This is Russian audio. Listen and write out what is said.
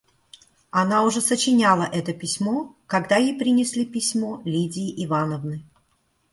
Она уже сочиняла это письмо, когда ей принесли письмо Лидии Ивановны.